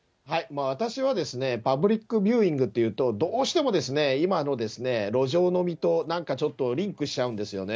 私はパブリックビューイングというと、どうしても、今の路上飲みとなんかちょっとリンクしちゃうんですよね。